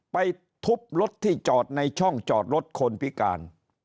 ไปทุบรถที่จอดในช่องจอดรถคนพิการ